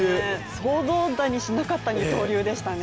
想像だにしなかった二刀流でしたね。